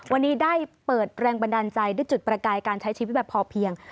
วันนี้ได้เปิดแรงบันดาลใจด้วยจุดประกายการใช้ชีวิตแบบพอเพียง